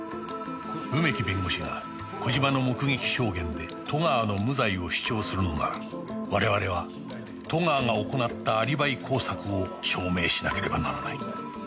梅木弁護士が小島の目撃証言で戸川の無罪を主張するのなら我々は戸川が行ったアリバイ工作を証明しなければならない